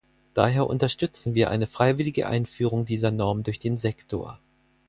Daher unterstützen wir eine freiwillige Einführung dieser Norm durch den Sektor.